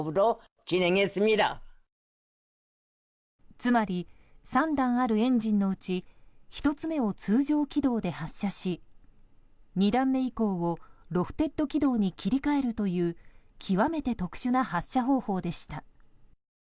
つまり３段あるエンジンのうち１つ目を通常軌道で発射し２段目以降をロフテッド軌道に切り替えるという極めて特殊な発射方法でした。